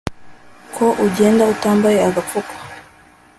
ko ugenda utambaye agafuko?